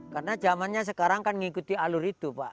karena zamannya sekarang kan mengikuti alur itu pak